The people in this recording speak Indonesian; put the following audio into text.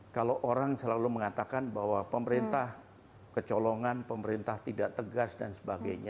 kalau orang selalu mengatakan bahwa pemerintah kecolongan pemerintah tidak tegas dan sebagainya